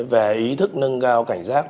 về ý thức nâng cao cảnh giác